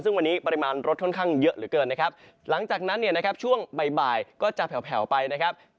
ซึ่งวันนี้ปริมาณรถค่อนข้างเยอะเหลือเกินนะครับหลังจากนั้นเนี่ยนะครับช่วงบ่ายก็จะแผลวไปนะครับ